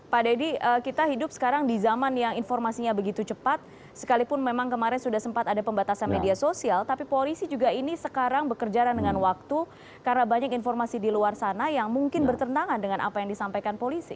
pak deddy kita hidup sekarang di zaman yang informasinya begitu cepat sekalipun memang kemarin sudah sempat ada pembatasan media sosial tapi polisi juga ini sekarang bekerja dengan waktu karena banyak informasi di luar sana yang mungkin bertentangan dengan apa yang disampaikan polisi